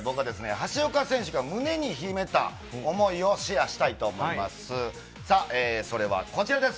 橋岡選手が胸に秘めた思いをシェアしたいと思います。